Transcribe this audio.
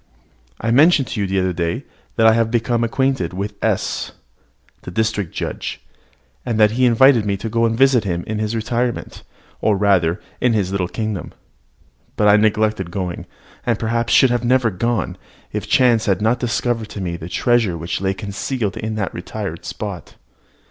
I mentioned to you the other day that I had become acquainted with S , the district judge, and that he had invited me to go and visit him in his retirement, or rather in his little kingdom. But I neglected going, and perhaps should never have gone, if chance had not discovered to me the treasure which lay concealed in that retired spot.